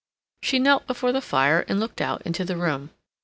She knelt before the fire and looked out into the room.